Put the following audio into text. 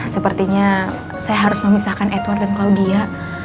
sepertinya saya harus memisahkan edward dan claudia